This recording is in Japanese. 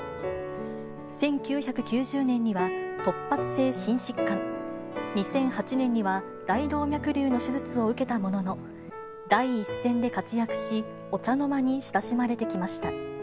１９９０年には、突発性心疾患、２００８年には大動脈りゅうの手術を受けたものの、第一線で活躍し、お茶の間に親しまれてきました。